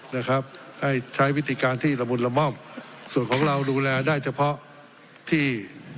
นะครับให้ใช้วิธีการที่ละมุนละม่อมส่วนของเราดูแลได้เฉพาะที่